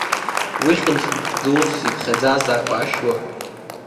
Уи хьымӡӷ дус иԥхьаӡазаап ашәуа…